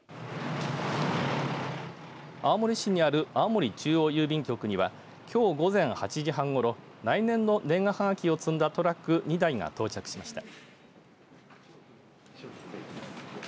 青森市にある青森中央郵便局にはきょう午前８時半ごろ来年の年賀はがきを積んだトラック２台が到着しました。